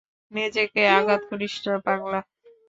নিজেকে আঘাত করিস না, পাগলা।